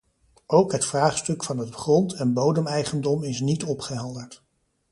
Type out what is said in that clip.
Ook het vraagstuk van het grond- en bodemeigendom is niet opgehelderd.